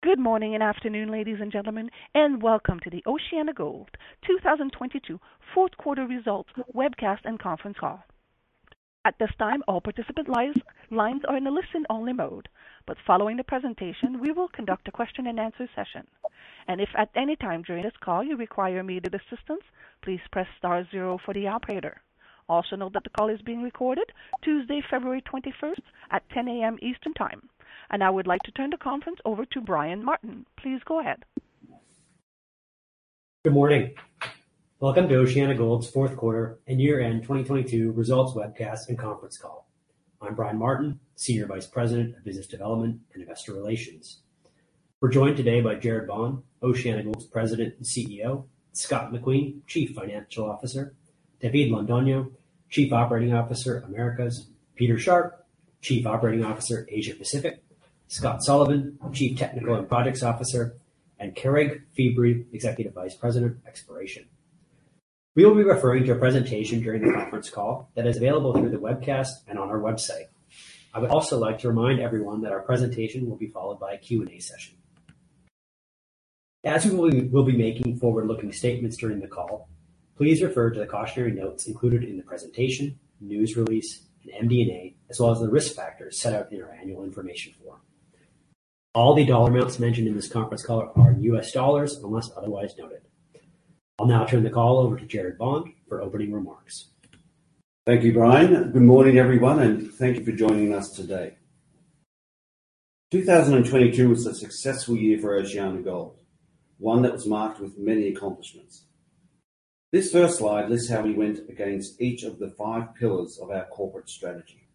Good morning and afternoon, ladies and gentlemen, and welcome to the OceanaGold 2022 fourth quarter results webcast and conference call. At this time, all participant lines are in a listen-only mode. Following the presentation, we will conduct a question and answer session. If at any time during this call you require immediate assistance, please press star zero for the operator. Also know that the call is being recorded Tuesday, February 21st at 10:00 A.M. Eastern Time. I would like to turn the conference over to Brian Martin. Please go ahead. Good morning. Welcome to OceanaGold's fourth quarter and year-end 2022 results webcast and conference call. I'm Brian Martin, Senior Vice President of Business Development and Investor Relations. We're joined today by Gerard Bond, OceanaGold's President and CEO; Scott McQueen, Chief Financial Officer; David Londono, Chief Operating Officer, Americas; Peter Sharpe, Chief Operating Officer, Asia Pacific; Scott Sullivan, Chief Technical and Projects Officer; and Craig Feebrey, Executive Vice President, Exploration. We will be referring to a presentation during the conference call that is available through the webcast and on our website. I would also like to remind everyone that our presentation will be followed by a Q&A session. As we will be making forward-looking statements during the call, please refer to the cautionary notes included in the presentation, news release, and MD&A, as well as the risk factors set out in our Annual Information Form. All the dollar amounts mentioned in this conference call are in US dollars unless otherwise noted. I'll now turn the call over to Gerard Bond for opening remarks. Thank you, Brian. Good morning, everyone, thank you for joining us today. 2022 was a successful year for OceanaGold, one that was marked with many accomplishments. This first slide lists how we went against each of the five pillars of our corporate strategy.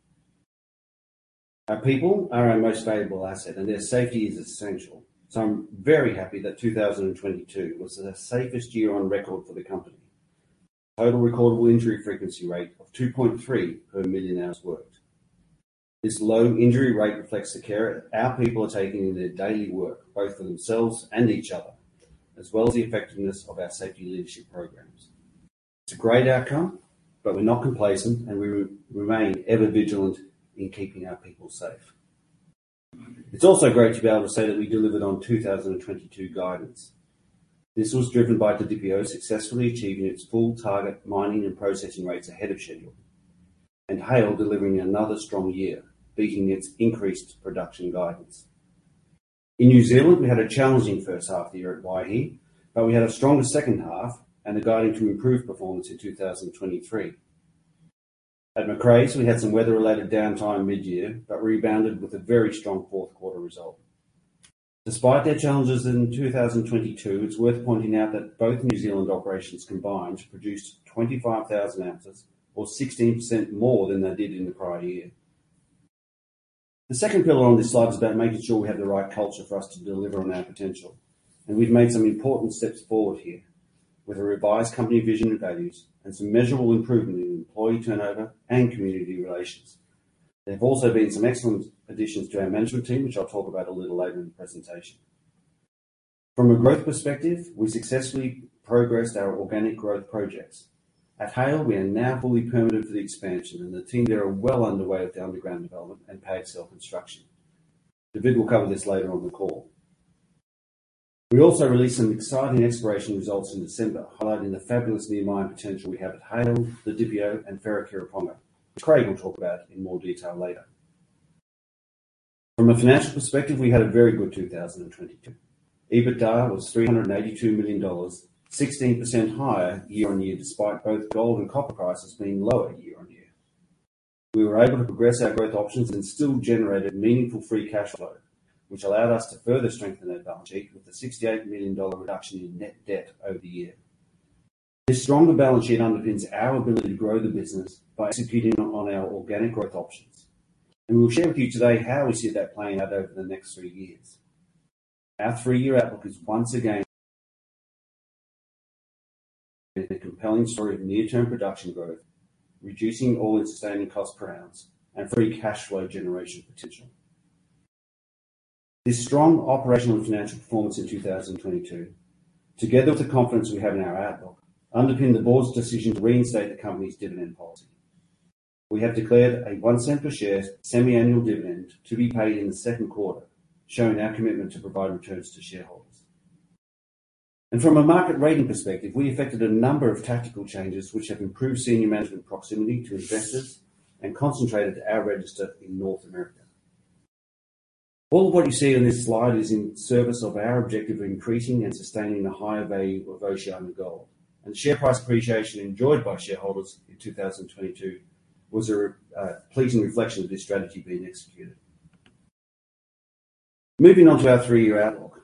Our people are our most valuable asset, their safety is essential, I'm very happy that 2022 was the safest year on record for the company. Total recordable injury frequency rate of 2.3 per million hours worked. This low injury rate reflects the care our people are taking in their daily work, both for themselves and each other, as well as the effectiveness of our safety leadership programs. It's a great outcome, we're not complacent, we remain ever vigilant in keeping our people safe. It's also great to be able to say that we delivered on 2022 guidance. This was driven by the Didipio successfully achieving its full target mining and processing rates ahead of schedule, and Haile delivering another strong year, beating its increased production guidance. In New Zealand, we had a challenging first half of the year at Waihi, but we had a stronger second half and are guiding to improved performance in 2023. At Macraes, we had some weather-related downtime mid-year, but rebounded with a very strong fourth quarter result. Despite their challenges in 2022, it's worth pointing out that both New Zealand operations combined produced 25,000 oz or 16% more than they did in the prior year. The second pillar on this slide is about making sure we have the right culture for us to deliver on our potential. We've made some important steps forward here with a revised company vision and values, and some measurable improvement in employee turnover and community relations. There have also been some excellent additions to our management team, which I'll talk about a little later in the presentation. From a growth perspective, we successfully progressed our organic growth projects. At Haile, we are now fully permitted for the expansion. The team there are well underway with the underground development and PAG construction. David will cover this later on the call. We also released some exciting exploration results in December, highlighting the fabulous near mine potential we have at Haile, Didipio, and Wharekirauponga, which Craig will talk about in more detail later. From a financial perspective, we had a very good 2022. EBITDA was $382 million, 16% higher year-over-year, despite both gold and copper prices being lower year-over-year. We were able to progress our growth options and still generated meaningful free cash flow, which allowed us to further strengthen our balance sheet with a $68 million reduction in net debt over the year. We'll share with you today how we see that playing out over the next three years. Our three-year outlook is once again. A compelling story of near-term production growth, reducing All-In Sustaining Costs per ounce and free cash flow generation potential. This strong operational and financial performance in 2022, together with the confidence we have in our outlook, underpin the board's decision to reinstate the company's dividend policy. We have declared a $0.01 per share semi-annual dividend to be paid in the second quarter, showing our commitment to provide returns to shareholders. From a market rating perspective, we effected a number of tactical changes which have improved senior management proximity to investors and concentrated our register in North America. All of what you see on this slide is in service of our objective of increasing and sustaining the higher value of OceanaGold. The share price appreciation enjoyed by shareholders in 2022 was a pleasing reflection of this strategy being executed. Moving on to our three-year outlook.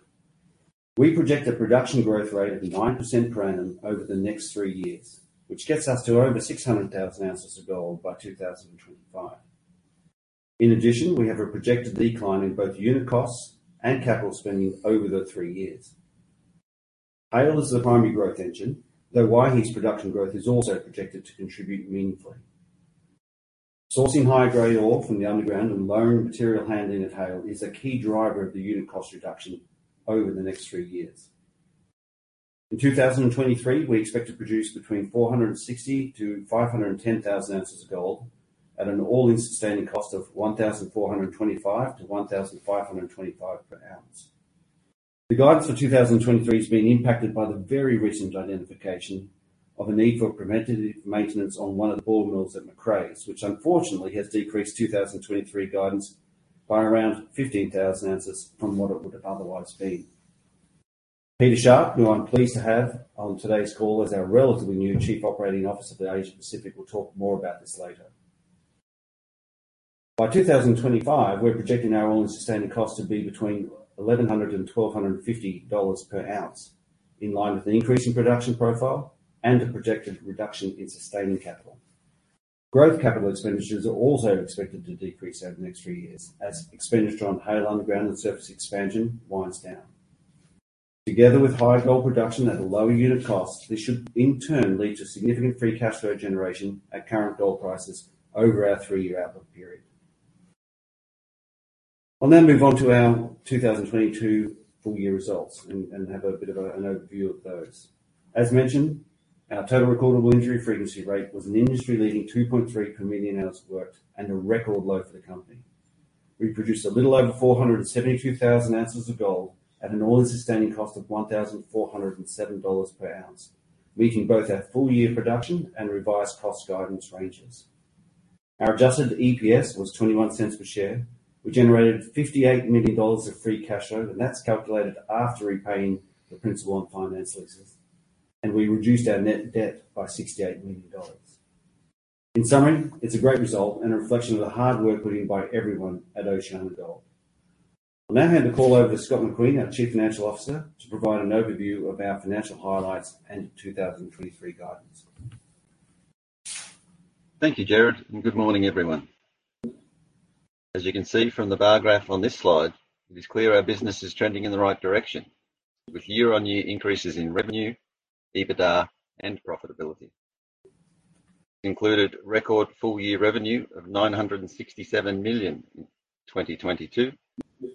We project a production growth rate of 9% per annum over the next three years, which gets us to over 600,000 oz of gold by 2025. In addition, we have a projected decline in both unit costs and capital spending over the three years. Haile is the primary growth engine, though Waihi's production growth is also projected to contribute meaningfully. Sourcing high-grade ore from the underground and lowering material handling at Haile is a key driver of the unit cost reduction over the next three years. In 2023, we expect to produce between 460,000-510,000 oz of gold at an All-In Sustaining Cost of $1,425-$1,525 per ounce. The guidance for 2023 is being impacted by the very recent identification of a need for preventative maintenance on one of the ball mills at Macraes, which unfortunately has decreased 2023 guidance by around 15,000 oz from what it would have otherwise been. Peter Sharpe, who I'm pleased to have on today's call, as our relatively new Chief Operating Officer for the Asia-Pacific, will talk more about this later. By 2025, we're projecting our All-In Sustaining Costs to be between $1,100 and $1,250 per ounce, in line with an increase in production profile and a projected reduction in sustaining capital. Growth capital expenditures are also expected to decrease over the next three years as expenditure on Haile underground and surface expansion winds down. Together with higher gold production at a lower unit cost, this should in turn lead to significant free cash flow generation at current gold prices over our three-year outlook period. I'll now move on to our 2022 full year results and have a bit of an overview of those. As mentioned, our total recordable injury frequency rate was an industry-leading 2.3 per million hours worked and a record low for the company. We produced a little over 472,000 oz of gold at an All-In Sustaining Costs of $1,407 per ounce, meeting both our full-year production and revised cost guidance ranges. Our adjusted EPS was $0.21 per share. We generated $58 million of free cash flow, and that's calculated after repaying the principal and finance leases. We reduced our net debt by $68 million. In summary, it's a great result and a reflection of the hard work put in by everyone at OceanaGold. I'll now hand the call over to Scott McQueen, our Chief Financial Officer, to provide an overview of our financial highlights and 2023 guidance. Thank you, Gerard. Good morning, everyone. As you can see from the bar graph on this slide, it is clear our business is trending in the right direction with year-on-year increases in revenue, EBITDA, and profitability. Included, record full-year revenue of $967 million in 2022,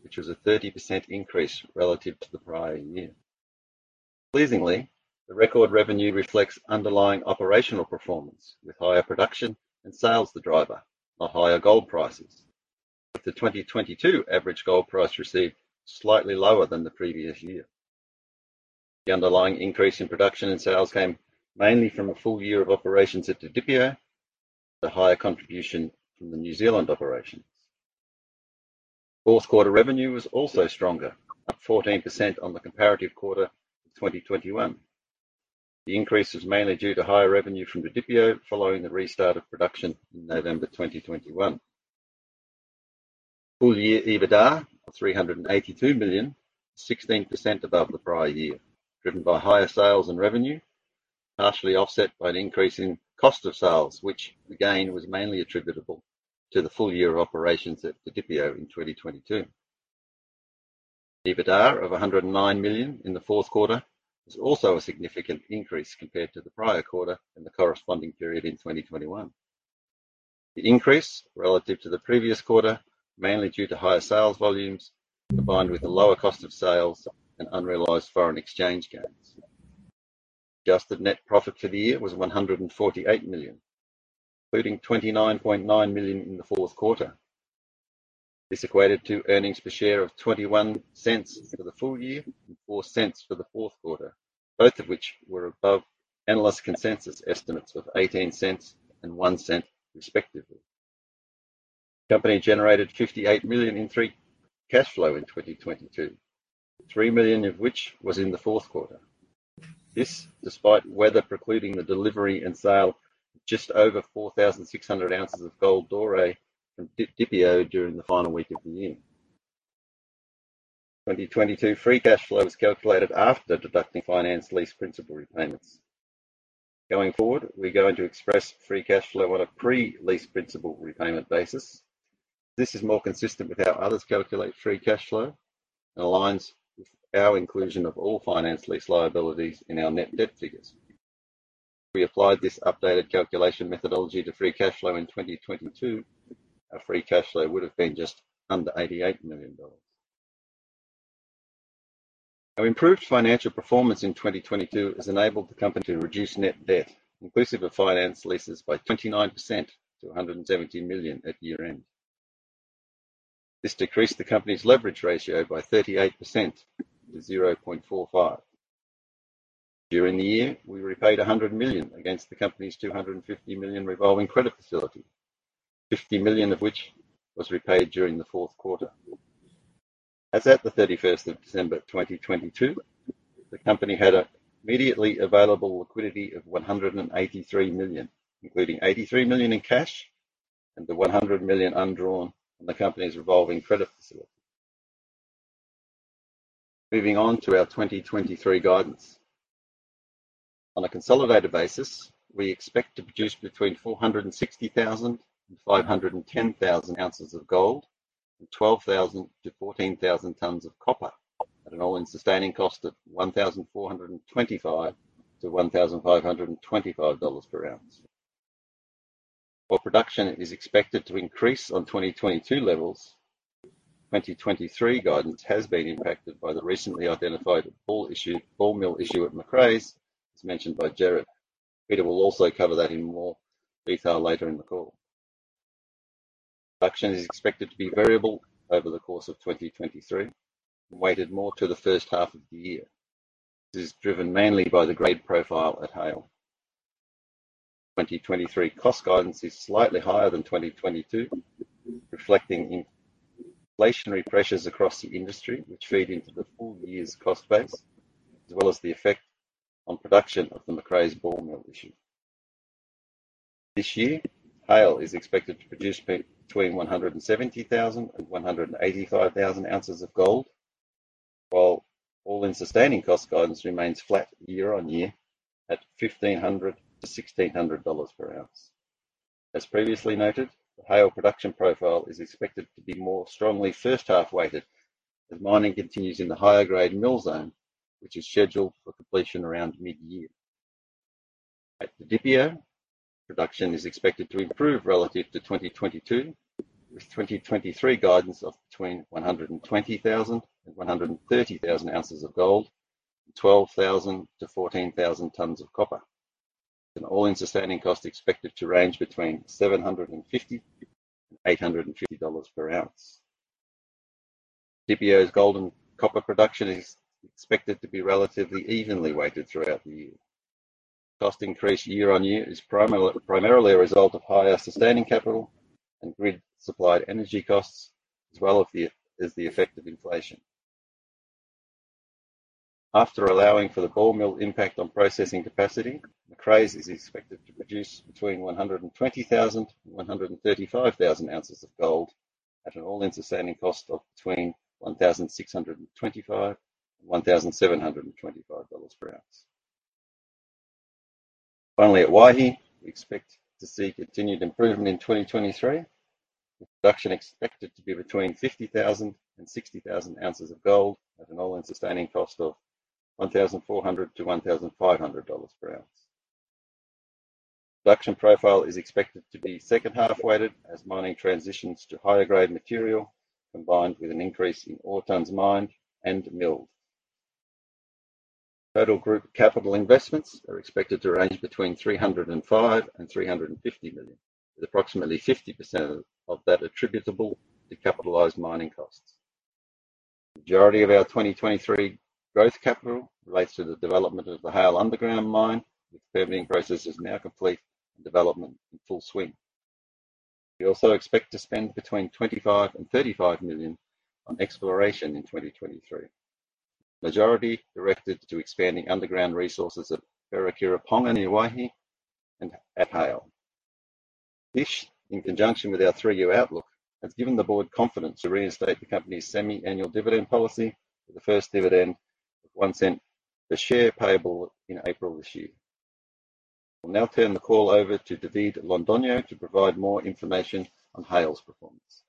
which was a 30% increase relative to the prior year. Pleasingly, the record revenue reflects underlying operational performance with higher production and sales, the driver of higher gold prices. With the 2022 average gold price received slightly lower than the previous year. The underlying increase in production and sales came mainly from a full year of operations at Didipio to higher contribution from the New Zealand operations. Fourth quarter revenue was also stronger, up 14% on the comparative quarter of 2021. The increase was mainly due to higher revenue from Didipio following the restart of production in November 2021. Full year EBITDA of $382 million, 16% above the prior year, driven by higher sales and revenue, partially offset by an increase in cost of sales, which again was mainly attributable to the full year of operations at Didipio in 2022. The EBITDA of $109 million in the fourth quarter was also a significant increase compared to the prior quarter, and the corresponding period in 2021. The increase relative to the previous quarter, mainly due to higher sales volumes combined with a lower cost of sales and unrealized foreign exchange gains. Adjusted net profit for the year was $148 million, including $29.9 million in the fourth quarter. This equated to earnings per share of $0.21 for the full year and $0.04 for the fourth quarter, both of which were above analyst consensus estimates of $0.18 and $0.01 respectively. The company generated $58 million in free cash flow in 2022, $3 million of which was in the fourth quarter. This despite weather precluding the delivery and sale of just over 4,600 oz of gold doré from Didipio during the final week of the year. 2022 free cash flow was calculated after deducting finance lease principal repayments. Going forward, we're going to express free cash flow on a pre-lease principal repayment basis. This is more consistent with how others calculate free cash flow and aligns with our inclusion of all finance lease liabilities in our net debt figures. If we applied this updated calculation methodology to free cash flow in 2022, our free cash flow would have been just under $88 million. Our improved financial performance in 2022 has enabled the company to reduce net debt, inclusive of finance leases by 29% to $170 million at year-end. This decreased the company's leverage ratio by 38% to 0.45. During the year, we repaid $100 million against the company's $250 million revolving credit facility, $50 million of which was repaid during the fourth quarter. As at the 31st of December 2022, the company had immediately available liquidity of $183 million, including $83 million in cash and the $100 million undrawn from the company's revolving credit facility. Moving on to our 2023 guidance. On a consolidated basis, we expect to produce between 460,000 and 510,000 oz of gold and 12,000 to 14,000 tons of copper at an All-In Sustaining Costs of $1,425-$1,525 per ounce. While production is expected to increase on 2022 levels, 2023 guidance has been impacted by the recently identified ball mill issue at Macraes, as mentioned by Gerard. Peter Sharpe will also cover that in more detail later in the call. Production is expected to be variable over the course of 2023, weighted more to the first half of the year. This is driven mainly by the grade profile at Haile. 2023 cost guidance is slightly higher than 2022, reflecting inflationary pressures across the industry, which feed into the full year's cost base, as well as the effect on production of the Macraes ball mill issue. This year, Haile is expected to produce between 170,000 and 185,000 oz of gold, while All-In Sustaining Cost guidance remains flat year-on-year at $1,500-$1,600 per ounce. As previously noted, the Haile production profile is expected to be more strongly first half-weighted as mining continues in the higher grade Mill Zone, which is scheduled for completion around mid-year. At Didipio, production is expected to improve relative to 2022, with 2023 guidance of between 120,000 and 130,000 oz of gold, and 12,000 to 14,000 tons of copper. An All-In Sustaining Costs expected to range between $750-$850 per ounce. Didipio's gold and copper production is expected to be relatively evenly weighted throughout the year. Cost increase year-over-year is primarily a result of higher sustaining capital and grid supplied energy costs, as well as the effect of inflation. After allowing for the ball mill impact on processing capacity, Macraes is expected to produce between 120,000-135,000 oz of gold at an All-In Sustaining Costs of between $1,625-$1,725 per ounce. Finally, at Waihi, we expect to see continued improvement in 2023. With production expected to be between 50,000 and 60,000 oz of gold at an All-In Sustaining Costs of $1,400-$1,500 per ounce. Production profile is expected to be second half-weighted as mining transitions to higher grade material combined with an increase in ore tonnes mined and milled. Total group capital investments are expected to range between $305 million-$350 million, with approximately 50% of that attributable to capitalized mining costs. Majority of our 2023 growth capital relates to the development of the Haile underground mine, with permitting processes now complete and development in full swing. We also expect to spend between $25 million-$35 million on exploration in 2023. Majority directed to expanding underground resources at Wharekirauponga near Waihi and at Haile. This, in conjunction with our three-year outlook, has given the board confidence to reinstate the company's semi-annual dividend policy with the first dividend of $0.01 per share payable in April this year. I will now turn the call over to David Londoño to provide more information on Haile's performance.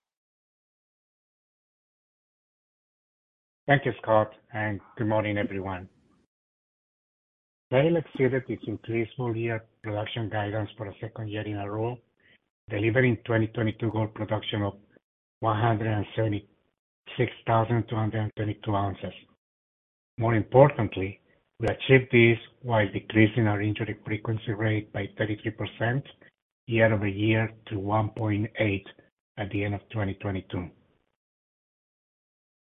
Thank you, Scott. Good morning, everyone. Haile exceeded its increased full year production guidance for a second year in a row, delivering 2022 gold production of 176,222 oz. More importantly, we achieved this while decreasing our injury frequency rate by 33% year-over-year to 1.8 at the end of 2022.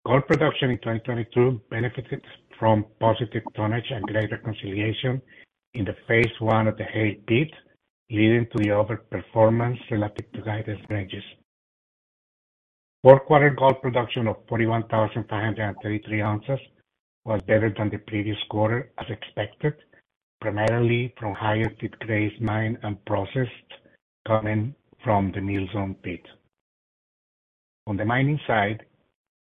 Gold production in 2022 benefited from positive tonnage and grade reconciliation in the Phase 1 of the Haile pit, leading to the overperformance relative to guidance ranges. Fourth quarter gold production of 41,533 oz was better than the previous quarter as expected, primarily from higher-grade mined and processed coming from the Mill Zone pit. On the mining side,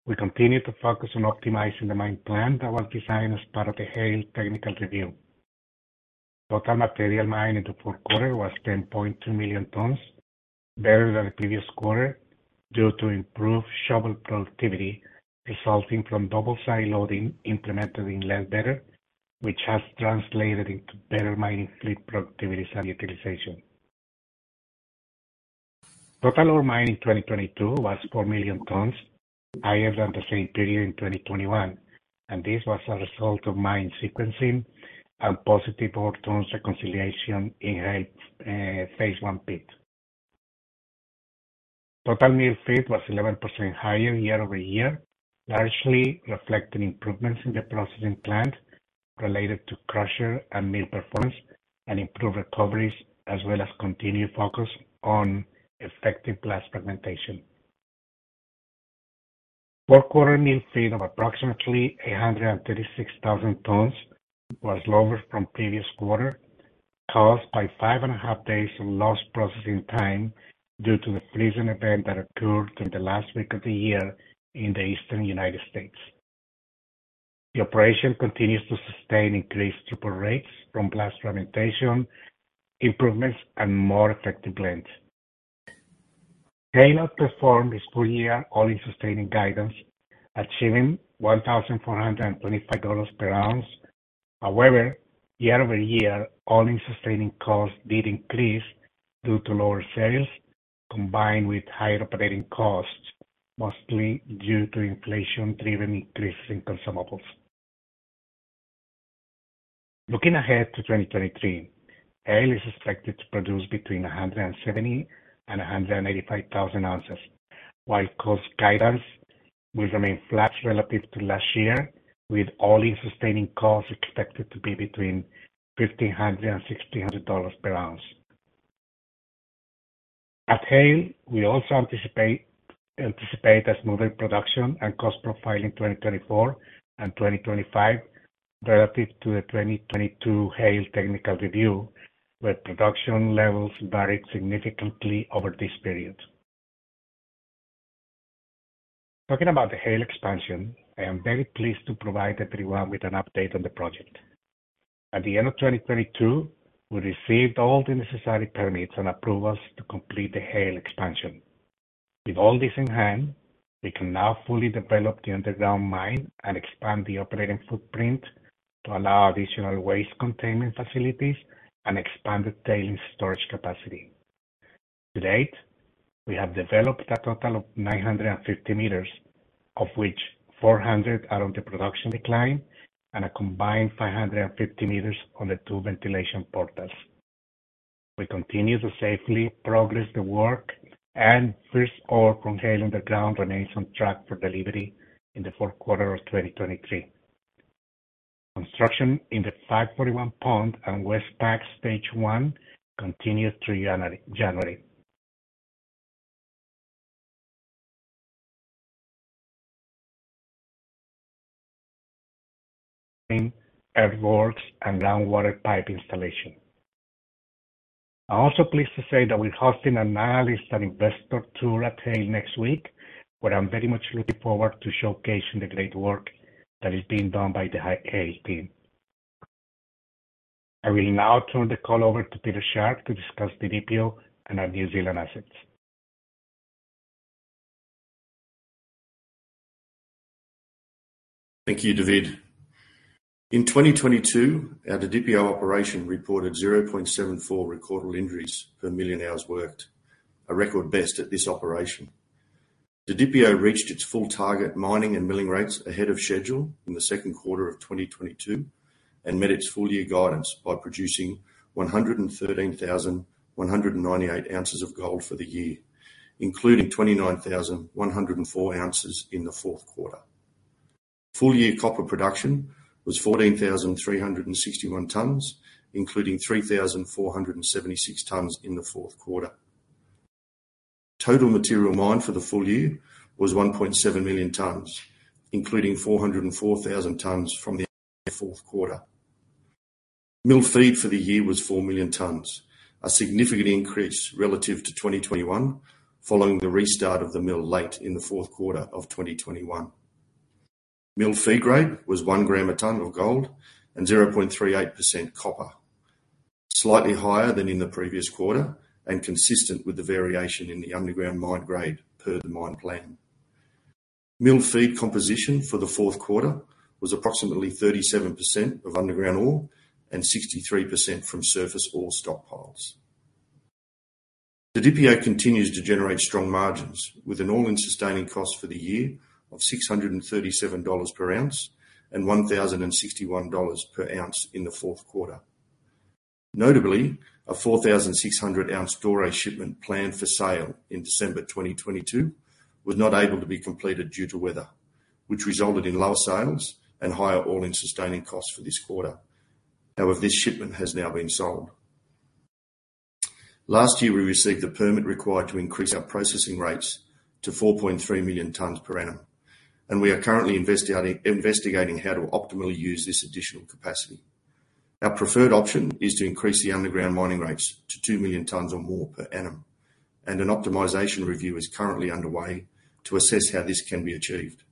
we continued to focus on optimizing the mine plan that was designed as part of the Haile technical review. Total material mined in the fourth quarter was 10.2 million tons, better than the previous quarter due to improved shovel productivity resulting from double side loading implemented in less better, which has translated into better mining fleet productivities and utilization. Total ore mined in 2022 was 4 million tons, higher than the same period in 2021. This was a result of mine sequencing and positive ore tons reconciliation in Haile, Phase 1 pit. Total mill feed was 11% higher year-over-year, largely reflecting improvements in the processing plant related to crusher and mill performance and improved recoveries, as well as continued focus on effective blast fragmentation. Fourth quarter mill feed of approximately 836,000 tons was lower from previous quarter, caused by 5.5 days of lost processing time due to the freezing event that occurred in the last week of the year in the Eastern United States. The operation continues to sustain increased throughput rates from blast fragmentation improvements and more effective blends. Haile performed its full year All-In Sustaining guidance, achieving $1,425 per ounce, year-over-year All-In Sustaining Costs did increase due to lower sales, combined with higher operating costs, mostly due to inflation-driven increases in consumables. Looking ahead to 2023, Haile is expected to produce between 170,000-185,000 oz, while cost guidance will remain flat relative to last year, with All-In Sustaining Costs expected to be between $1,500-$1,600 per ounce. At Haile, we also anticipate a smoother production and cost profile in 2024 and 2025 relative to the 2022 Haile technical review, where production levels varied significantly over this period. Talking about the Haile expansion, I am very pleased to provide everyone with an update on the project. At the end of 2022, we received all the necessary permits and approvals to complete the Haile expansion. With all this in hand, we can now fully develop the underground mine and expand the operating footprint to allow additional waste containment facilities and expanded tailings storage capacity. To date, we have developed a total of 950 meters, of which 400 are under production decline and a combined 550 meters on the two ventilation portals. We continue to safely progress the work, and first ore from Haile underground remains on track for delivery in the fourth quarter of 2023. Construction in the 541 Pond and West PAG Stage 1 continued through January. Earthworks and groundwater pipe installation. I'm also pleased to say that we're hosting an analyst and investor tour at Haile next week, where I'm very much looking forward to showcasing the great work that is being done by the Haile team. I will now turn the call over to Peter Sharpe to discuss Didipio and our New Zealand assets. Thank you, David. In 2022, our Didipio operation reported 0.74 recordable injuries per million hours worked, a record best at this operation. Didipio reached its full target mining and milling rates ahead of schedule in the second quarter of 2022, and met its full year guidance by producing 113,198 oz of gold for the year, including 29,104 oz in the fourth quarter. Full year copper production was 14,361 tons, including 3,476 tons in the fourth quarter. Total material mined for the full year was 1.7 million tons, including 404,000 tons from the fourth quarter. Mill feed for the year was 4 million tons, a significant increase relative to 2021 following the restart of the mill late in the fourth quarter of 2021. Mill feed grade was 1 g a ton of gold and 0.38% copper, slightly higher than in the previous quarter and consistent with the variation in the underground mine grade per the mine plan. Mill feed composition for the fourth quarter was approximately 37% of underground ore and 63% from surface ore stockpiles. Didipio continues to generate strong margins with an All-In Sustaining Costs for the year of $637 per oz and $1,061 per oz in the fourth quarter. Notably, a 4,600 oz doré shipment planned for sale in December 2022 was not able to be completed due to weather, which resulted in lower sales and higher All-In Sustaining Costs for this quarter. However, this shipment has now been sold. Last year, we received the permit required to increase our processing rates to 4.3 million tons per annum, and we are currently investigating how to optimally use this additional capacity. Our preferred option is to increase the underground mining rates to 2 million tons or more per annum. An optimization review is currently underway to assess how this can be achieved.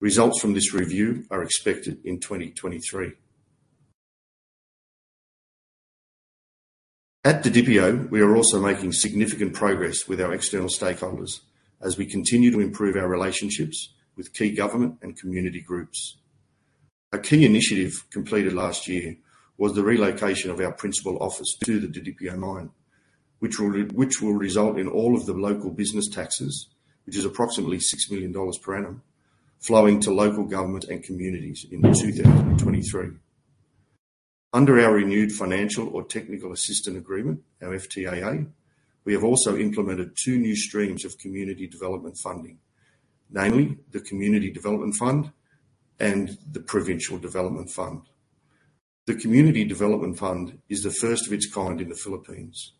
Results from this review are expected in 2023. At Didipio, we are also making significant progress with our external stakeholders as we continue to improve our relationships with key government and community groups. A key initiative completed last year was the relocation of our principal office to the Didipio mine, which will result in all of the local business taxes, which is approximately $6 million per annum, flowing to local government and communities in 2023. Under our renewed Financial or Technical Assistance Agreement, our FTAA, we have also implemented two new streams of community development funding, namely the Community Development Fund and the Provincial Development Fund. The Community Development Fund is the first of its kind in the Philippines.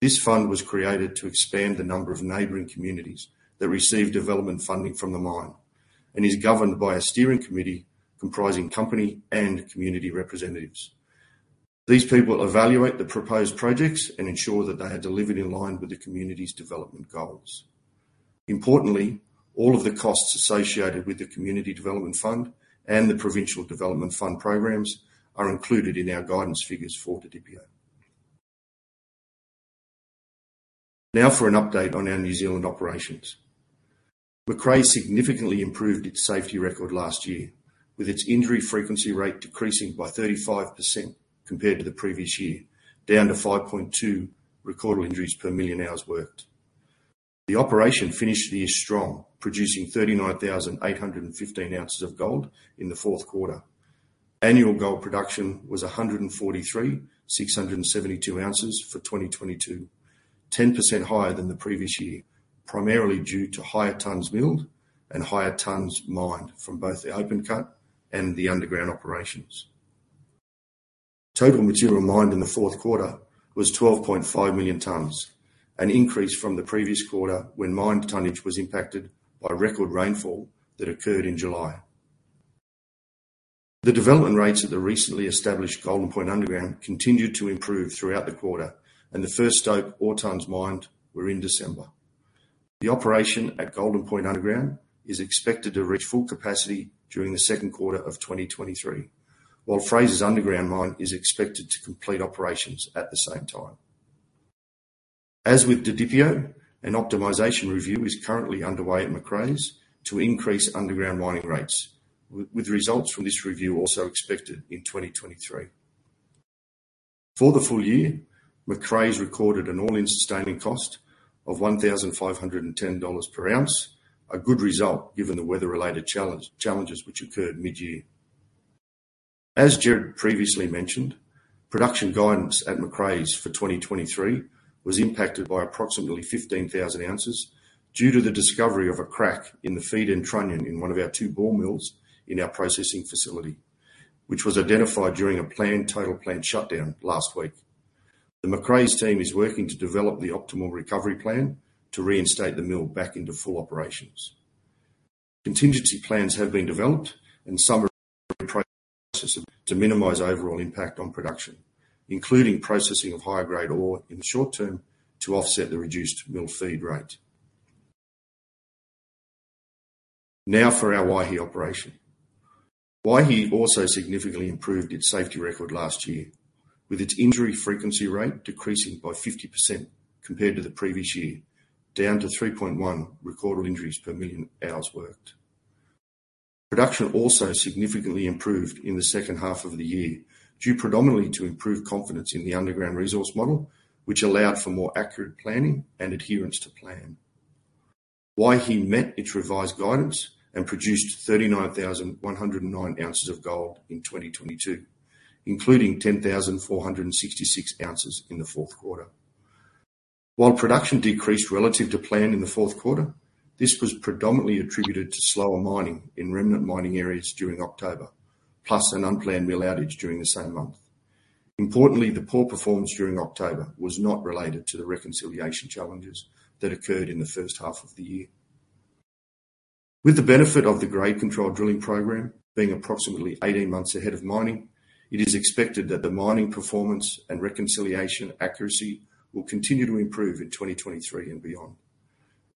This fund was created to expand the number of neighboring communities that receive development funding from the mine, and is governed by a steering committee comprising company and community representatives. These people evaluate the proposed projects and ensure that they are delivered in line with the community's development goals. All of the costs associated with the Community Development Fund and the Provincial Development Fund programs are included in our guidance figures for Didipio. For an update on our New Zealand operations. Macraes significantly improved its safety record last year, with its injury frequency rate decreasing by 35% compared to the previous year, down to 5.2 recordable injuries per million hours worked. The operation finished the year strong, producing 39,815 oz of gold in the fourth quarter. Annual gold production was 143,672 oz for 2022, 10% higher than the previous year, primarily due to higher tonnes milled and higher tonnes mined from both the open cut and the underground operations. Total material mined in the fourth quarter was 12.5 million tonnes, an increase from the previous quarter when mined tonnage was impacted by record rainfall that occurred in July. The development rates at the recently established Golden Point Underground continued to improve throughout the quarter, and the first stope ore tonnes mined were in December. The operation at Golden Point Underground is expected to reach full capacity during the second quarter of 2023, while Frasers underground mine is expected to complete operations at the same time. As with Didipio, an optimization review is currently underway at Macraes to increase underground mining rates, with results from this review also expected in 2023. For the full year, Macraes recorded an All-In Sustaining cost of $1,510 per ounce, a good result given the weather-related challenges which occurred mid-year. As Gerard previously mentioned, production guidance at Macraes for 2023 was impacted by approximately 15,000 oz due to the discovery of a crack in the feed end trunnion in one of our two ball mills in our processing facility, which was identified during a planned total plant shutdown last week. The Macraes team is working to develop the optimal recovery plan to reinstate the mill back into full operations. Contingency plans have been developed and some are in process to minimize overall impact on production, including processing of higher grade ore in the short term to offset the reduced mill feed rate. For our Waihi operation. Waihi also significantly improved its safety record last year, with its injury frequency rate decreasing by 50% compared to the previous year, down to 3.1 recordable injuries per million hours worked. Production also significantly improved in the second half of the year, due predominantly to improved confidence in the underground resource model, which allowed for more accurate planning and adherence to plan. Waihi met its revised guidance and produced 39,109 oz of gold in 2022, including 10,466 oz in the fourth quarter. While production decreased relative to plan in the fourth quarter, this was predominantly attributed to slower mining in remnant mining areas during October, plus an unplanned mill outage during the same month. Importantly, the poor performance during October was not related to the reconciliation challenges that occurred in the first half of the year. With the benefit of the grade control drilling program being approximately 18 months ahead of mining, it is expected that the mining performance and reconciliation accuracy will continue to improve in 2023 and beyond.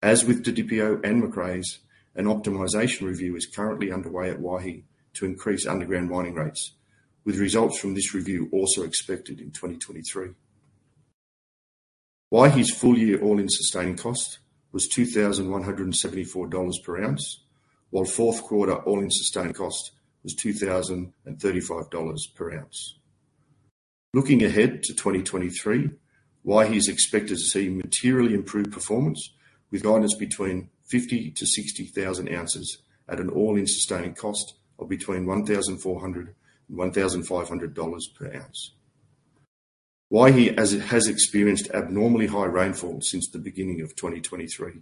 As with Didipio and Macraes, an optimization review is currently underway at Waihi to increase underground mining rates, with results from this review also expected in 2023. Waihi's full-year all-in sustaining cost was $2,174 per ounce, while fourth quarter all-in sustaining cost was $2,035 per ounce. Looking ahead to 2023, Waihi is expected to see materially improved performance with guidance between 50,000-60,000 oz at an all-in sustaining cost of between $1,400-$1,500 per ounce. Waihi has experienced abnormally high rainfall since the beginning of 2023,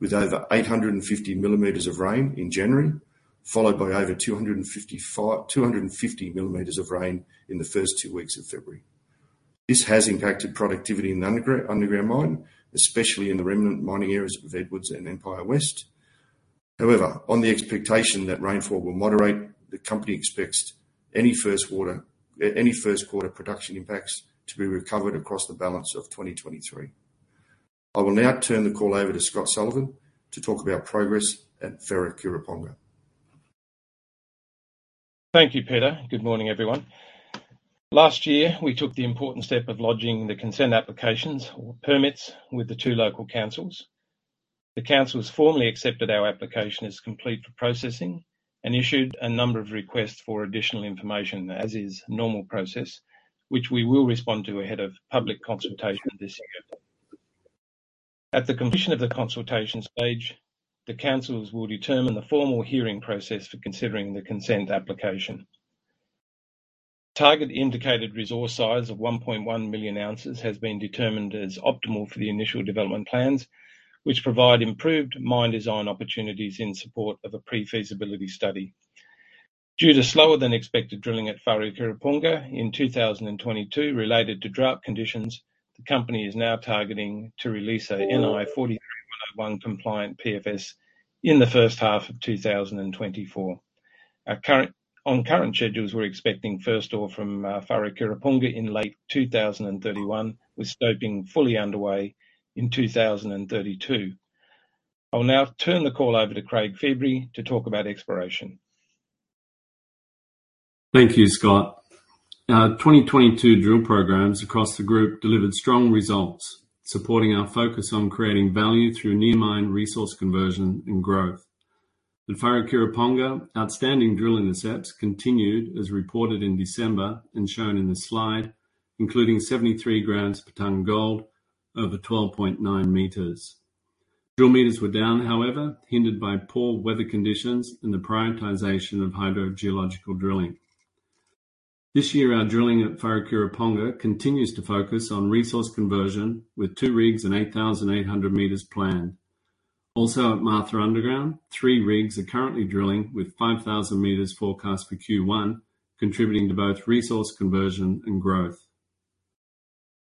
with over 850 mm of rain in January, followed by over 250 mm of rain in the first two weeks of February. This has impacted productivity in the underground mine, especially in the remnant mining areas of Edwards and Empire West. On the expectation that rainfall will moderate, the company expects any first quarter production impacts to be recovered across the balance of 2023. I will now turn the call over to Scott Sullivan to talk about progress at Wharekirauponga. Thank you, Peter. Good morning, everyone. Last year, we took the important step of lodging the consent applications or permits with the two local councils. The council has formally accepted our application as complete for processing and issued a number of requests for additional information, as is normal process, which we will respond to ahead of public consultation this year. At the completion of the consultation stage, the councils will determine the formal hearing process for considering the consent application. Target indicated resource size of 1.1 million oz has been determined as optimal for the initial development plans, which provide improved mine design opportunities in support of a pre-feasibility study. Due to slower than expected drilling at Wharekirauponga in 2022 related to drought conditions, the company is now targeting to release a NI 43-101 compliant PFS in the first half of 2024. On current schedules, we're expecting first ore from Wharekirauponga in late 2031, with stoping fully underway in 2032. I will now turn the call over to Craig Feebrey to talk about exploration. Thank you, Scott. Our 2022 drill programs across the group delivered strong results, supporting our focus on creating value through near mine resource conversion and growth. At Wharekirauponga, outstanding drill intercepts continued as reported in December and shown in this slide, including 73 g per tonne gold over 12.9 m. Drill meters were down, however, hindered by poor weather conditions and the prioritization of hydrogeological drilling. This year, our drilling at Wharekirauponga continues to focus on resource conversion with two rigs and 8,800 meters planned. At Martha Underground, three rigs are currently drilling with 5,000 meters forecast for Q1, contributing to both resource conversion and growth.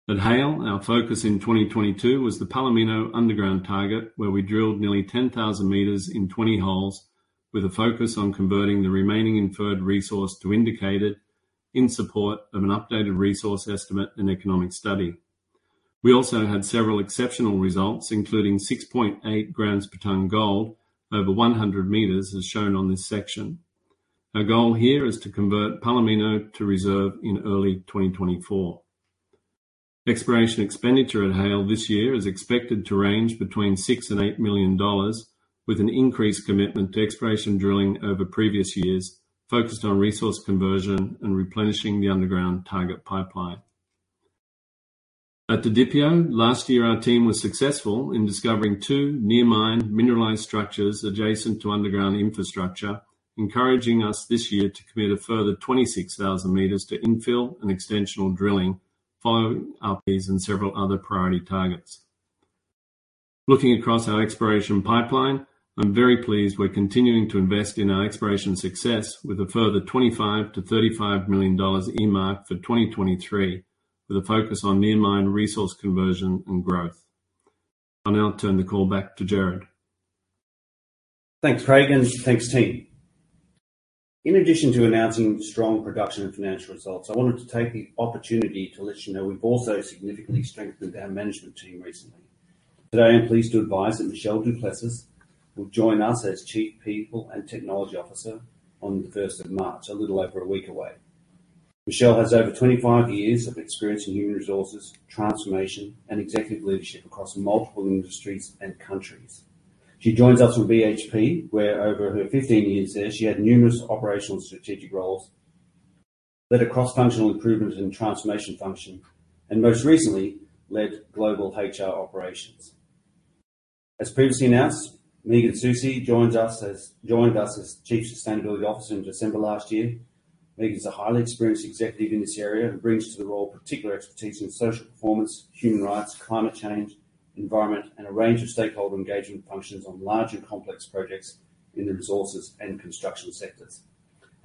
At Haile, our focus in 2022 was the Palomino underground target, where we drilled nearly 10,000 m in 20 holes with a focus on converting the remaining inferred resource to indicated in support of an updated resource estimate and economic study. We also had several exceptional results, including 6.8 g per tonne gold over 100 m, as shown on this section. Our goal here is to convert Palomino to reserve in early 2024. Exploration expenditure at Haile this year is expected to range between $6 million-$8 million, with an increased commitment to exploration drilling over previous years, focused on resource conversion and replenishing the underground target pipeline. At the Didipio, last year our team was successful in discovering two near mine mineralized structures adjacent to underground infrastructure, encouraging us this year to commit a further 26,000 m to infill and extensional drilling following up these and several other priority targets. Looking across our exploration pipeline, I'm very pleased we're continuing to invest in our exploration success with a further $25 million-$35 million earmarked for 2023, with a focus on near mine resource conversion and growth. I'll now turn the call back to Gerard. Thanks, Craig, thanks, team. In addition to announcing strong production and financial results, I wanted to take the opportunity to let you know we've also significantly strengthened our management team recently. Today, I'm pleased to advise that Michelle Du Plessis will join us as Chief People and Technology Officer on the first of March, a little over a week away. Michelle has over 25 years of experience in human resources, transformation, and executive leadership across multiple industries and countries. She joins us from BHP, where over her 15 years there, she had numerous operational and strategic roles, led a cross-functional improvement and transformation function, and most recently led global HR operations. As previously announced, Megan Saussey joined us as Chief Sustainability Officer in December last year. Megan is a highly experienced executive in this area, and brings to the role particular expertise in social performance, human rights, climate change, environment, and a range of stakeholder engagement functions on large and complex projects in the resources and construction sectors.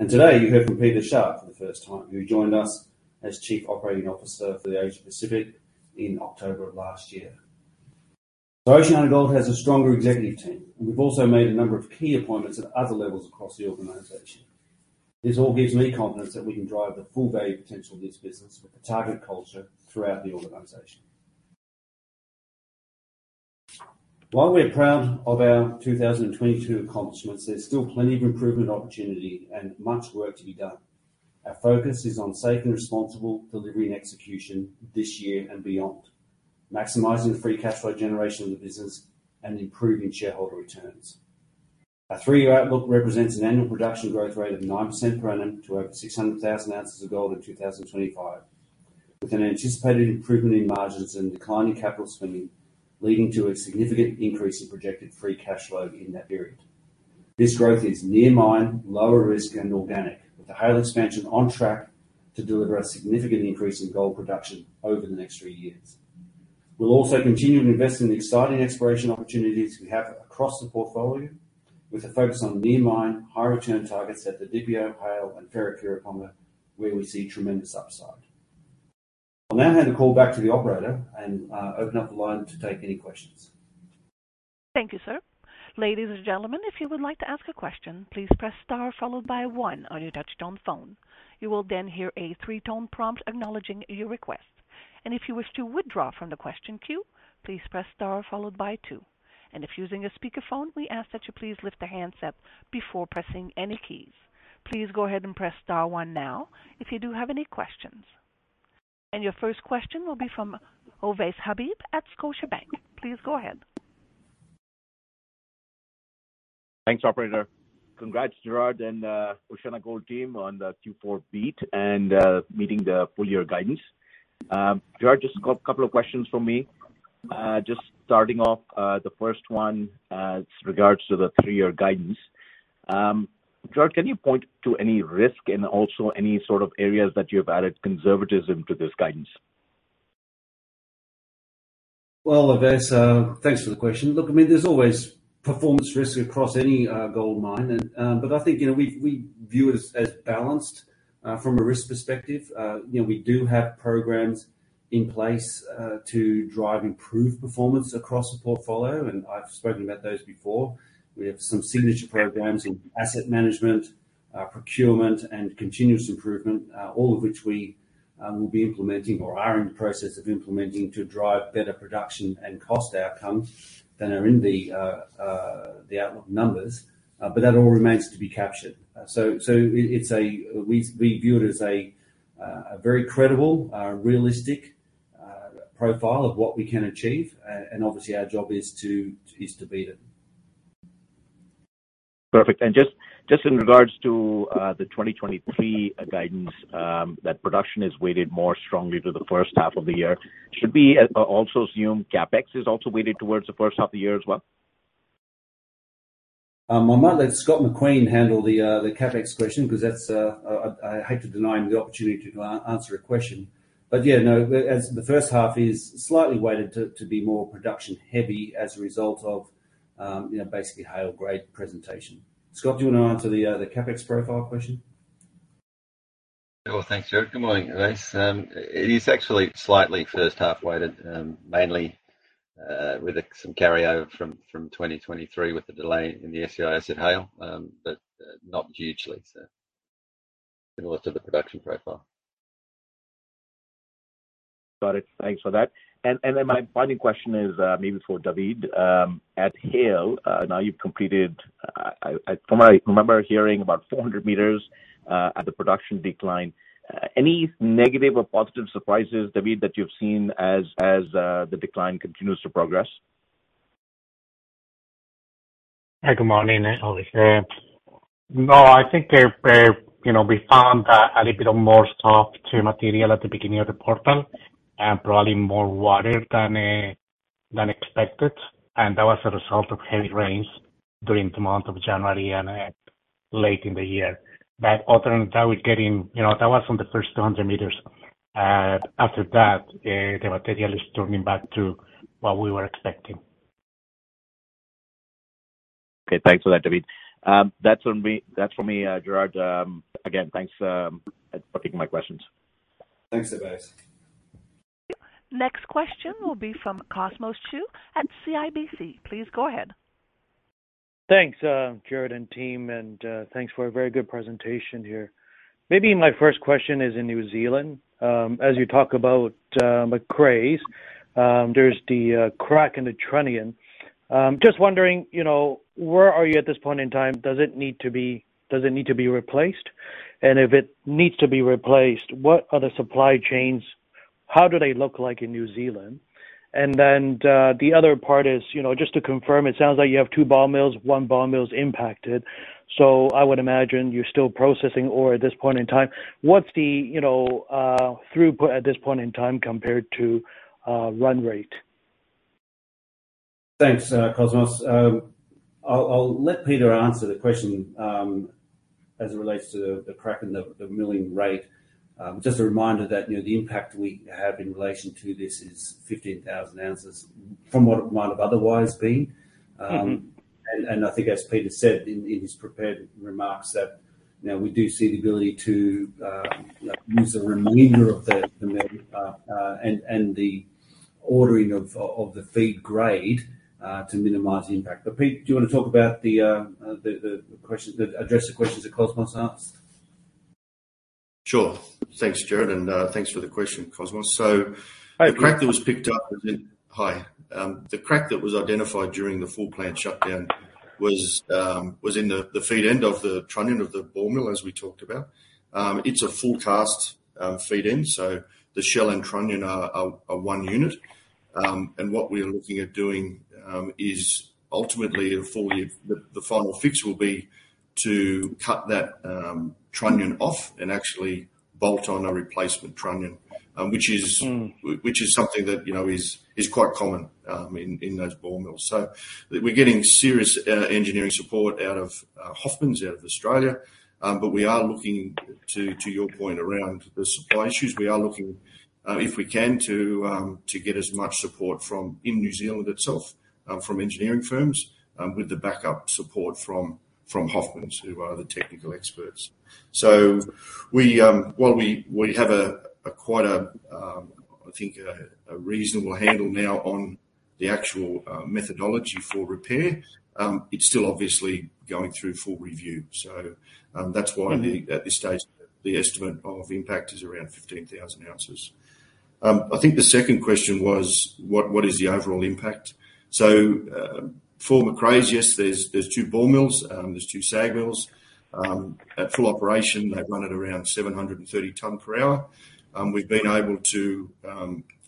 Today, you heard from Peter Sharpe for the first time, who joined us as Chief Operating Officer for the Asia Pacific in October of last year. OceanaGold has a stronger executive team, and we've also made a number of key appointments at other levels across the organization. This all gives me confidence that we can drive the full value potential of this business with a target culture throughout the organization. While we're proud of our 2022 accomplishments, there's still plenty of improvement opportunity and much work to be done. Our focus is on safe and responsible delivery and execution this year and beyond, maximizing the free cash flow generation of the business and improving shareholder returns. Our three-year outlook represents an annual production growth rate of 9% per annum to over 600,000 oz of gold in 2025, with an anticipated improvement in margins and decline in capital spending, leading to a significant increase in projected free cash flow in that period. This growth is near mine, lower risk and organic, with the Haile expansion on track to deliver a significant increase in gold production over the next three years. We'll also continue to invest in the exciting exploration opportunities we have across the portfolio, with a focus on near mine, high return targets at the Didipio, Haile and Wharekirauponga, where we see tremendous upside. I'll now hand the call back to the operator and open up the line to take any questions. Thank you, sir. Ladies and gentlemen, if you would like to ask a question, please press star followed by one on your touchtone phone. You will then hear a three-tone prompt acknowledging your request. If you wish to withdraw from the question queue, please press star followed by two. If using a speakerphone, we ask that you please lift the handset before pressing any keys. Please go ahead and press star one now if you do have any questions. Your first question will be from Ovais Habib at Scotiabank. Please go ahead. Thanks, operator. Congrats, Gerard and OceanaGold team on the Q4 beat and meeting the full year guidance. Gerard, just a couple of questions from me. Just starting off, the first one is regards to the three-year guidance. Gerard, can you point to any risk and also any sort of areas that you have added conservatism to this guidance? Ovais, thanks for the question. I mean, there's always performance risk across any gold mine and I think, you know, we view it as balanced from a risk perspective. You know, we do have programs in place to drive improved performance across the portfolio, and I've spoken about those before. We have some signature programs in asset management, procurement and continuous improvement, all of which we'll be implementing or are in the process of implementing to drive better production and cost outcomes that are in the outlook numbers, that all remains to be captured. We view it as a very credible, realistic profile of what we can achieve. Obviously, our job is to beat it. Perfect. Just in regards to the 2023 guidance, that production is weighted more strongly to the first half of the year. Should we also assume CapEx is also weighted towards the first half of the year as well? I might let Scott McQueen handle the CapEx question because that's I hate to deny him the opportunity to answer a question. Yeah, no, as the first half is slightly weighted to be more production-heavy as a result of, you know, basically Haile grade presentation. Scott, do you wanna answer the CapEx profile question? Well, thanks, Gerard. Good morning, everybody. It is actually slightly first half weighted, mainly with some carryover from 2023 with the delay in the SEIS at Haile, but not hugely. Similar to the production profile. Got it. Thanks for that. Then my final question is maybe for David. At Haile, now you've completed, I from what I remember hearing about 400 m at the production decline. Any negative or positive surprises, David, that you've seen as the decline continues to progress? Hey, good morning. Hi. No, I think, you know, we found a little bit of more soft two material at the beginning of the portal and probably more water than expected, and that was a result of heavy rains during the month of January and late in the year. Other than that, you know, that was from the first 200 m. After that, the material is turning back to what we were expecting. Okay. Thanks for that, David. That's from me, Gerard. Again, thanks for taking my questions. Thanks, everybody. Next question will be from Cosmos Chiu at CIBC. Please go ahead. Thanks, Gerard and team. Thanks for a very good presentation here. Maybe my first question is in New Zealand. As you talk about Macraes, there's the crack in the trunnion. Just wondering, you know, where are you at this point in time? Does it need to be replaced? If it needs to be replaced, what are the supply chains? How do they look like in New Zealand? The other part is, you know, just to confirm, it sounds like you have two ball mills. One ball mill is impacted. I would imagine you're still processing ore at this point in time. What's the, you know, throughput at this point in time compared to run rate? Thanks, Cosmos. I'll let Peter answer the question as it relates to the crack and the milling rate. Just a reminder that, you know, the impact we have in relation to this is 15,000 oz from what it might have otherwise been. Mm-hmm. I think as Peter said in his prepared remarks that, you know, we do see the ability to use the remainder of the med, and the ordering of the feed grade to minimize the impact. Pete, do you wanna talk about address the questions that Cosmos asked? Sure. Thanks, Gerard, and thanks for the question, Cosmos. Hi, Peter. The crack that was picked up within. Hi. The crack that was identified during the full plant shutdown was in the feed end of the trunnion of the ball mill, as we talked about. It's a full cast, feed end, so the shell and trunnion are one unit. What we're looking at doing is ultimately a fully. The final fix will be to cut that trunnion off and actually bolt on a replacement trunnion, which is- Mm. Which is something that, you know, is quite common in those ball mills. We're getting serious engineering support out of Hofmann's out of Australia. We are looking to your point around the supply issues. We are looking if we can to get as much support from in New Zealand itself, from engineering firms, with the backup support from Hofmann's, who are the technical experts. We, while we have a, quite a, I think a reasonable handle now on the actual methodology for repair, it's still obviously going through full review. That's why- Mm-hmm. The, at this stage, the estimate of impact is around 15,000 oz. I think the second question was what is the overall impact? For Macraes, yes, there's two ball mills. There's two SAG mills. At full operation, they run at around 730 ton per hour. We've been able to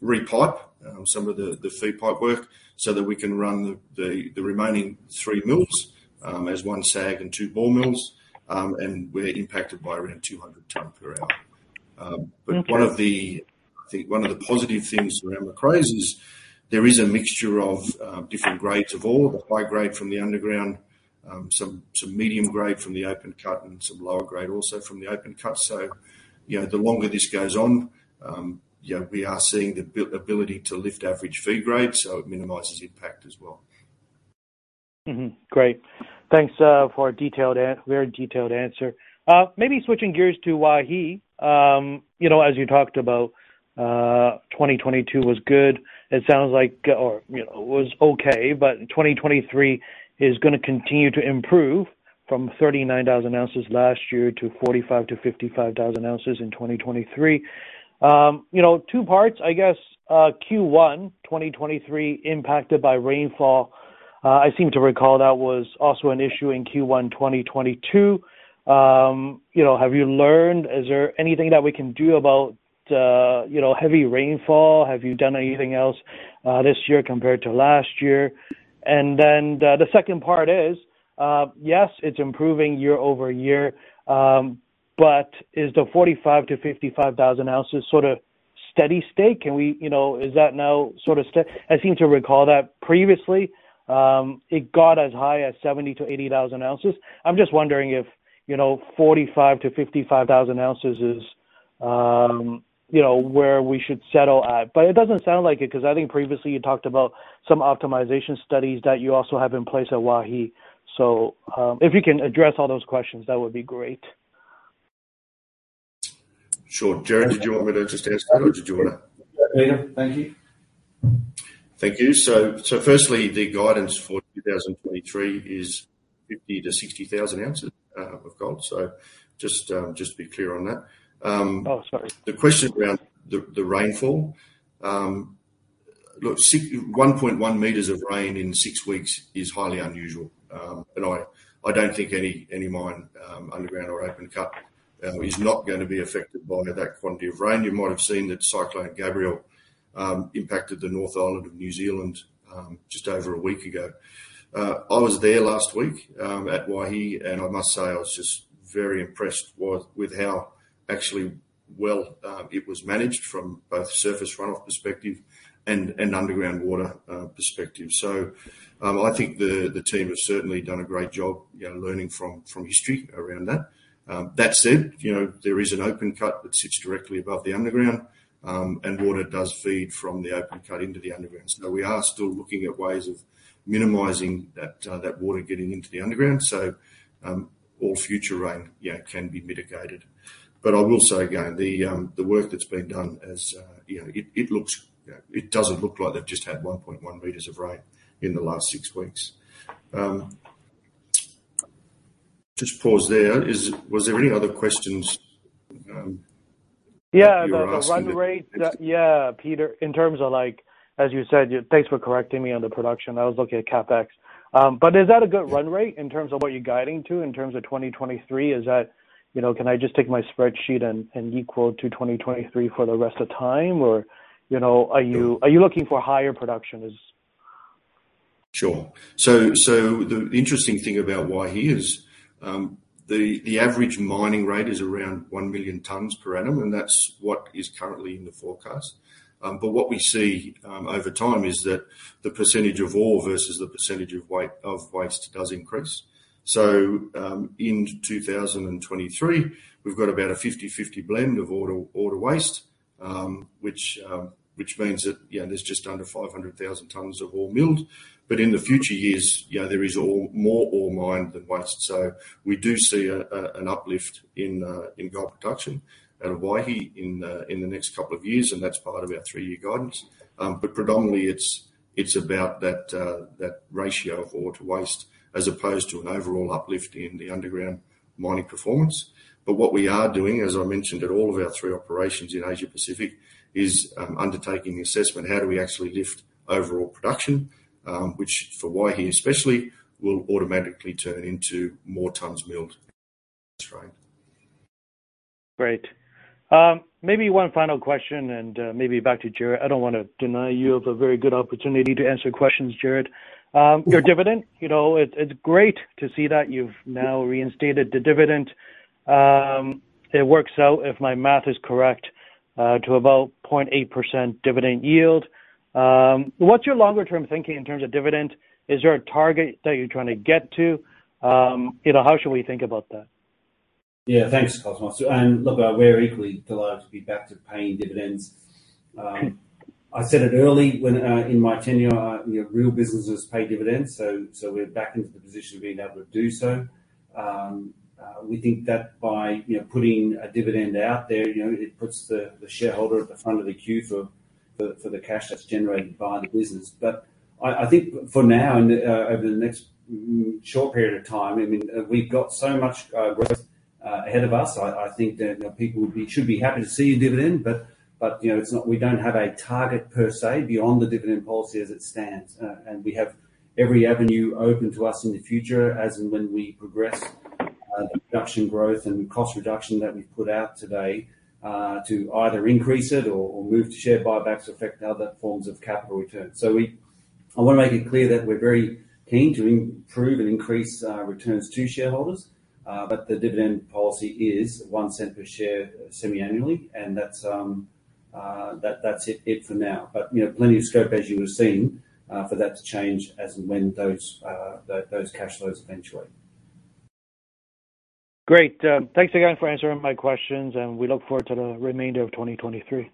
re-pipe some of the feed pipe work so that we can run the remaining three mills, as one SAG and two ball mills. We're impacted by around 200 ton per hour. Okay. One of the, I think one of the positive things around Macraes is there is a mixture of different grades of ore. The high grade from the underground, some medium grade from the open cut and some lower grade also from the open cut. You know, the longer this goes on, you know, we are seeing the ability to lift average feed grade, so it minimizes impact as well. Great. Thanks for a very detailed answer. Maybe switching gears to Waihi. You know, as you talked about, 2022 was good. It sounds like, or you know, was okay, but in 2023 is going to continue to improve from 39,000 oz last year to 45,000-55,000 oz in 2023. You know, two parts, I guess. Q1 2023 impacted by rainfall. I seem to recall that was also an issue in Q1 2022. You know, have you learned? Is there anything that we can do about, you know, heavy rainfall? Have you done anything else this year compared to last year? The second part is, yes, it's improving year-over-year, but is the 45,000-55,000 oz sort of steady-state? I seem to recall that previously, it got as high as 70,000-80,000 oz. I'm just wondering if, you know, 45,000-55,000 oz is, you know, where we should settle at. It doesn't sound like it, 'cause I think previously you talked about some optimization studies that you also have in place at Waihi. If you can address all those questions, that would be great. Sure. Gerard, did you want me to just answer that, or did you want to? Yeah. Thank you. Thank you. Firstly, the guidance for 2023 is 50,000-60,000 oz of gold. Just to be clear on that. Oh, sorry. The question around the rainfall. Look, 1.1 m of rain in six weeks is highly unusual. I don't think any mine, underground or open cut, is not gonna be affected by that quantity of rain. You might have seen that Cyclone Gabrielle impacted the North Island of New Zealand just over a week ago. I was there last week at Waihi, and I must say I was just very impressed with how actually well it was managed from both surface runoff perspective and underground water perspective. I think the team have certainly done a great job, you know, learning from history around that. That said, you know, there is an open cut that sits directly above the underground, and water does feed from the open cut into the underground. We are still looking at ways of minimizing that water getting into the underground. All future rain, yeah, can be mitigated. I will say again, the work that's been done has... You know, it doesn't look like they've just had 1.1 m of rain in the last six weeks. Just pause there. Was there any other questions you were asking me? Yeah, the run rate. Yeah, Peter Sharpe, in terms of, like, as you said, thanks for correcting me on the production. I was looking at CapEx. Is that a good run rate in terms of what you're guiding to in terms of 2023? You know, can I just take my spreadsheet and equal to 2023 for the rest of time? You know, are you looking for higher production? Sure. The interesting thing about Waihi is, the average mining rate is around 1 million tons per annum, and that's what is currently in the forecast. What we see, over time is that the percentage of ore versus the percentage of waste does increase. In 2023, we've got about a 50/50 blend of ore to waste, which means that, you know, there's just under 500,000 tons of ore milled. In the future years, you know, there is more ore mined than waste. We do see an uplift in gold production at Waihi in the next couple of years, and that's part of our three-year guidance. Predominantly it's about that ratio of ore to waste as opposed to an overall uplift in the underground mining performance. What we are doing, as I mentioned, at all of our three operations in Asia Pacific, is undertaking the assessment, how do we actually lift overall production? Which for Waihi especially, will automatically turn into more tons milled. That's right. Great. Maybe one final question and maybe back to Gerard. I don't wanna deny you of a very good opportunity to answer questions, Gerard. Your dividend, you know, it's great to see that you've now reinstated the dividend. It works out, if my math is correct, to about 0.8% dividend yield. What's your longer term thinking in terms of dividend? Is there a target that you're trying to get to? You know, how should we think about that? Yeah. Thanks, Cosmos. Look, we're equally delighted to be back to paying dividends. I said it early when, in my tenure, you know, real businesses pay dividends. We're back into the position of being able to do so. We think that by, you know, putting a dividend out there, you know, it puts the shareholder at the front of the queue for the cash that's generated by the business. I think for now and, over the next, short period of time, I mean, we've got so much growth ahead of us. I think that, you know, people would be, should be happy to see a dividend. You know, it's not... We don't have a target per se beyond the dividend policy as it stands. We have every avenue open to us in the future as and when we progress the production growth and cost reduction that we've put out today to either increase it or move to share buybacks or effect other forms of capital return. I wanna make it clear that we're very keen to improve and increase returns to shareholders. The dividend policy is $0.01 per share semi-annually, and that's it for now. You know, plenty of scope as you were seeing for that to change as and when those cash flows eventuate. Great. thanks again for answering my questions, and we look forward to the remainder of 2023.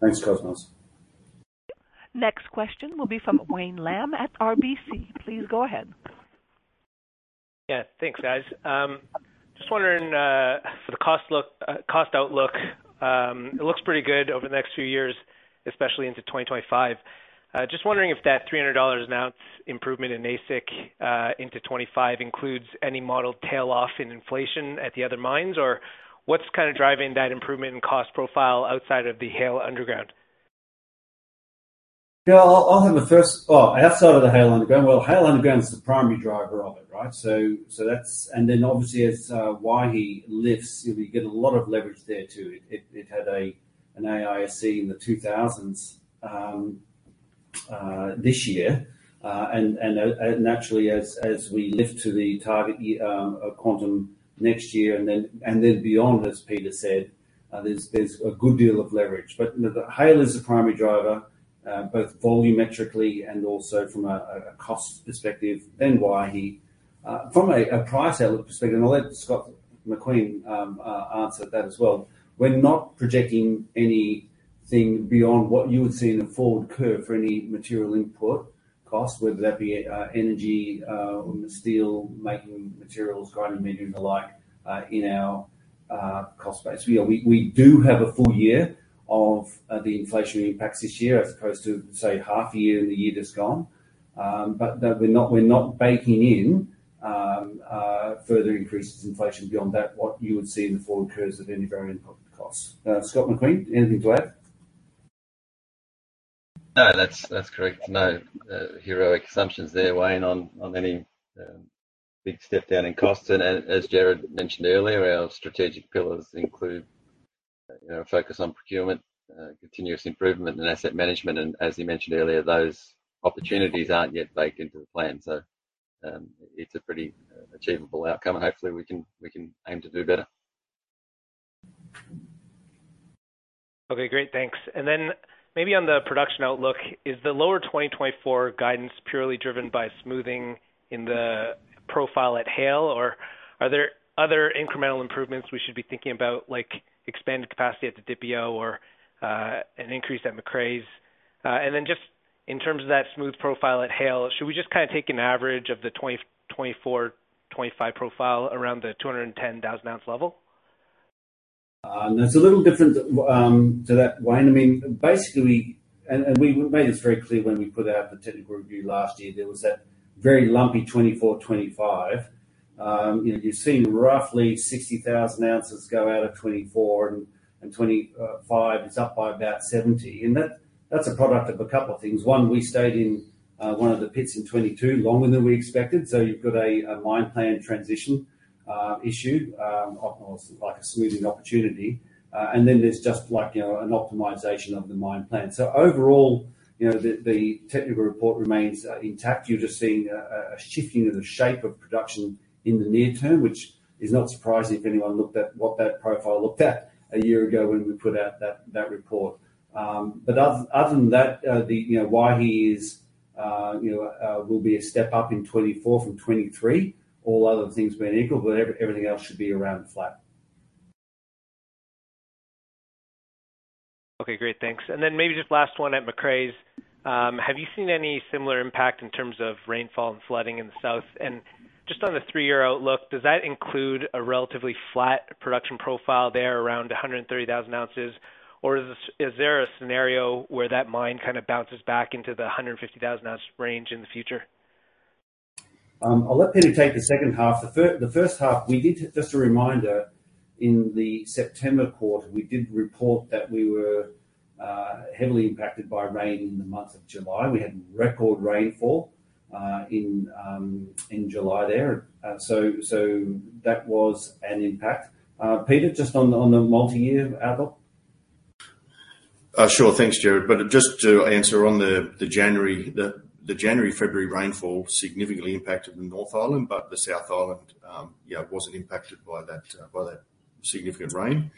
Thanks, Cosmos. Next question will be from Wayne Lam at RBC. Please go ahead. Yeah. Thanks, guys. Just wondering, for the cost look, cost outlook, it looks pretty good over the next few years, especially into 2025. Just wondering if that $300 an oz improvement in AISC, into 2025 includes any modeled tail off in inflation at the other mines, or what's kind of driving that improvement in cost profile outside of the Haile Underground? I'll have the first. Outside of the Haile Underground. Haile Underground is the primary driver of it, right? That's. Then, obviously, as Waihi lifts, you'll get a lot of leverage there too. It had an AISC in the 2,000s this year. Naturally, as we lift to the target quantum next year and then beyond, as Peter said, there's a good deal of leverage. The Haile is the primary driver, both volumetrically and also from a cost perspective than Waihi. From a price outlook perspective, I'll let Scott McQueen answer that as well. We're not projecting anything beyond what you would see in the forward curve for any material input cost, whether that be energy or the steel-making materials, grinding media, and the like, in our cost base. You know, we do have a full year of the inflation impacts this year as opposed to, say, half year in the year that's gone. No, we're not, we're not baking in further increases in inflation beyond that, what you would see in the forward curves of any varying input costs. Scott McQueen, anything to add? No, that's correct. No, heroic assumptions there weighing on any big step down in costs. As Gerard mentioned earlier, our strategic pillars include, you know, a focus on procurement, continuous improvement and asset management. As you mentioned earlier, those opportunities aren't yet baked into the plan. It's a pretty achievable outcome, and hopefully we can aim to do better. Okay, great. Thanks. Maybe on the production outlook, is the lower 2024 guidance purely driven by smoothing in the profile at Haile, or are there other incremental improvements we should be thinking about, like expanded capacity at the Didipio or an increase at Macraes? Just in terms of that smooth profile at Haile, should we just kind of take an average of the 2024, 2025 profile around the 210,000 oz level? It's a little different to that, Wayne. I mean, basically, and we made this very clear when we put out the technical review last year. There was that very lumpy 2024, 2025. You know, you've seen roughly 60,000 oz go out of 2024 and 2025 is up by about 70. That's a product of a couple of things. One, we stayed in one of the pits in 2022 longer than we expected, so you've got a mine plan transition issue or like a smoothing opportunity. Then there's just like, you know, an optimization of the mine plan. Overall, you know, the technical report remains intact. You're just seeing a shifting of the shape of production in the near term, which is not surprising if anyone looked at what that profile looked at a year ago when we put out that report. Other than that, the, you know, Waihi is, you know, will be a step up in 2024 from 2023, all other things being equal, but everything else should be around flat. Okay, great. Thanks. Maybe just last one at Macraes. Have you seen any similar impact in terms of rainfall and flooding in the south? Just on the three-year outlook, does that include a relatively flat production profile there around 130,000 oz, or is there a scenario where that mine kind of boz back into the 150,000 oz range in the future? I'll let Peter take the second half. The first half we did, just a reminder, in the September quarter, we did report that we were heavily impacted by rain in the month of July. We had record rainfall in July there. So that was an impact. Peter, just on the multi-year outlook. Sure. Thanks, Gerard. Just to answer on the January, the January, February rainfall significantly impacted the North Island, but the South Island, yeah, wasn't impacted by that significant rain.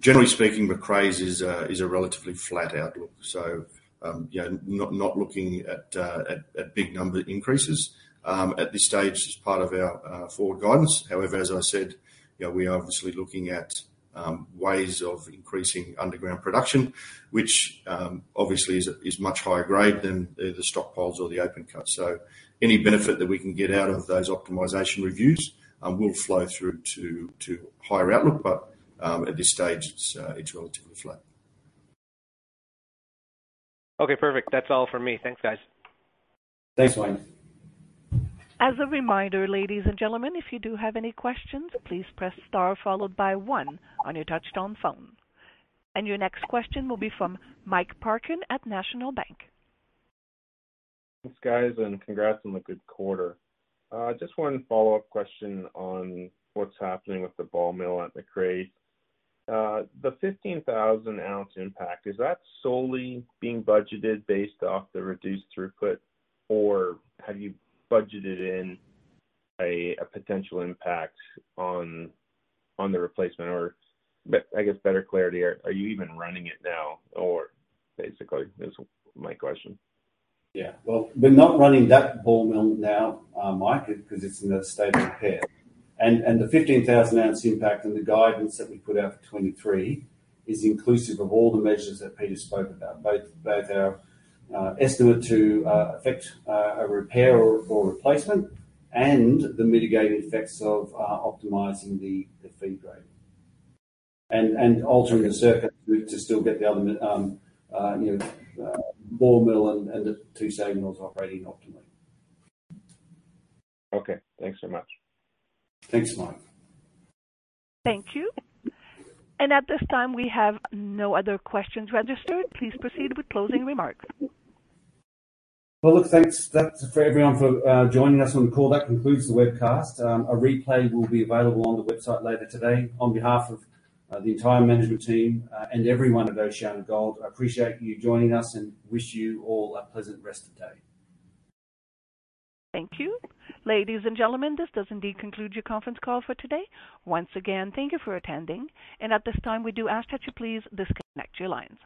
Generally speaking, Macraes is a relatively flat outlook. You know, not looking at big number increases at this stage as part of our forward guidance. However, as I said, you know, we are obviously looking at ways of increasing underground production, which obviously is much higher grade than the stockpiles or the open cut. Any benefit that we can get out of those optimization reviews will flow through to higher outlook. At this stage it's relatively flat. Okay, perfect. That's all for me. Thanks, guys. Thanks, Wayne. As a reminder, ladies and gentlemen, if you do have any questions, please press star followed by one on your touchtone phone. Your next question will be from Mike Parkin at National Bank. Thanks, guys, and congrats on the good quarter. Just one follow-up question on what's happening with the ball mill at Macraes. The 15,000 oz impact, is that solely being budgeted based off the reduced throughput, or have you budgeted in a potential impact on the replacement? I guess better clarity, are you even running it now? Basically, is my question. Yeah. Well, we're not running that ball mill now, Mike, because it's in a state of repair. The 15,000 oz impact and the guidance that we put out for 2023 is inclusive of all the measures that Peter spoke about, both our estimate to effect a repair or replacement and the mitigating effects of optimizing the feed grade. Altering the circuit to still get the other, you know, ball mill and the two SAG mills operating optimally. Okay, thanks so much. Thanks, Mike. Thank you. At this time, we have no other questions registered. Please proceed with closing remarks. Well, look, thanks. That's for everyone for joining us on the call. That concludes the webcast. A replay will be available on the website later today. On behalf of the entire management team, and everyone at OceanaGold, I appreciate you joining us and wish you all a pleasant rest of the day. Thank you. Ladies and gentlemen, this does indeed conclude your conference call for today. Once again, thank you for attending. At this time, we do ask that you please disconnect your lines.